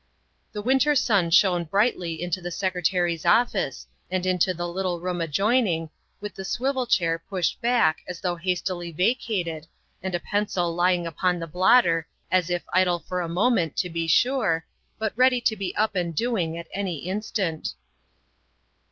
The winter sun shone brightly into the Secretary's office and into the little room adjoining, with the swivel chair pushed back as though hastily vacated and a pencil lying upon the blotter as if idle for a moment, to be sure, but ready to be up and doing at any instant.